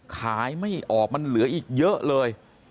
ไม่ออกมันเหลืออีกเยอะเลย